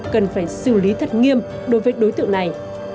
cần phải xử lý thật nghiêm đối với đối tượng này